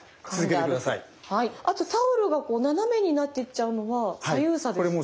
あとタオルが斜めになっていっちゃうのは左右差ですか？